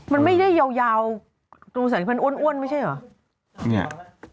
มันไม่ได้ยาวงูแสงอาทิตย์มันอ้วนไม่ใช่เหรอ